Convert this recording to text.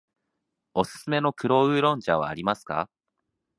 おすすめの黒烏龍茶はありますか。